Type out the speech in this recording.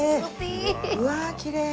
きれい！